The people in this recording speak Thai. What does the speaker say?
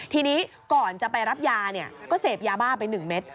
ทีนี้ก่อนจะไปรับยาเนี่ยก็เสพยาบ้าไปหนึ่งเมตร